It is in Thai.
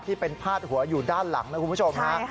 ที่เป็นพาดหัวอยู่ด้านหลังนะคุณผู้ชมฮะ